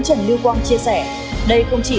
trần lưu quang chia sẻ đây không chỉ